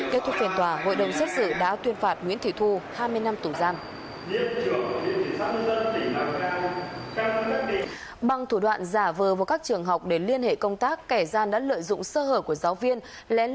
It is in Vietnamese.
kết thúc phiền tòa hội đồng xét xử đã tuyên phạt nguyễn thị thu hai mươi năm tù giam